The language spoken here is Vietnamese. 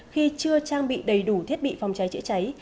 khi chưa trang bị đầy đủ thiết bị phòng cháy chữa cháy